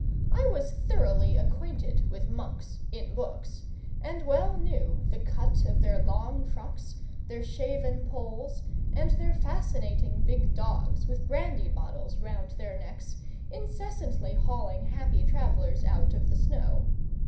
I was thoroughly acquainted with monks in books and well knew the cut of their long frocks, their shaven polls, and their fascinating big dogs, with brandy bottles round their necks, incessantly hauling happy travellers out of the snow.